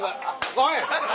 おい！